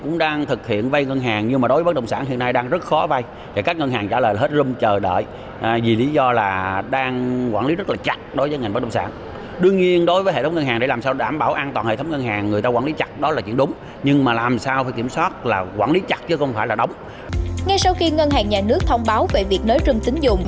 ngay sau khi ngân hàng nhà nước thông báo về việc nới rưm tín dụng